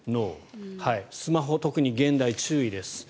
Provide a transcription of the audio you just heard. スマホ、特に現代は注意です。